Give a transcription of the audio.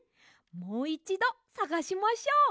もういちどさがしましょう！